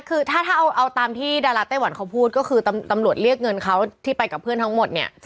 เขาพูดก็คือตำรวจเรียกเงินเขาที่ไปกับเพื่อนทั้งหมดเนี่ย